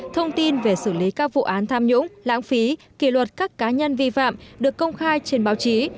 thông tin về xử lý các vụ án tham nhũng lãng phí kỷ luật các cá nhân vi phạm được công khai trên báo chí